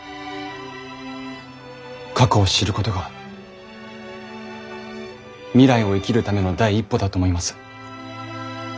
過去を知ることが未来を生きるための第一歩だと思います。